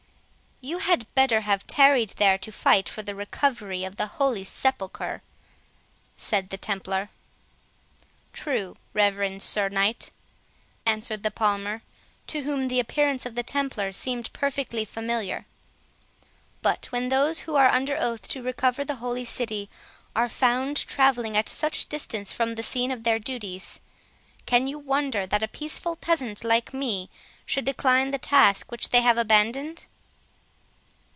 "You had better have tarried there to fight for the recovery of the Holy Sepulchre," said the Templar. "True, Reverend Sir Knight," answered the Palmer, to whom the appearance of the Templar seemed perfectly familiar; "but when those who are under oath to recover the holy city, are found travelling at such a distance from the scene of their duties, can you wonder that a peaceful peasant like me should decline the task which they have abandoned?"